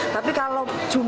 tapi kalau jumlah barang yang